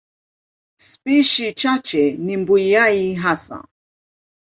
Spishi chache ni mbuai hasa.